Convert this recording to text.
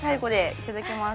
いただきます。